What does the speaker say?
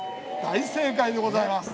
大正解でございます。